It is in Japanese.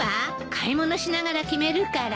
買い物しながら決めるから。